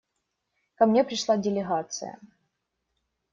Ко мне пришла делегация.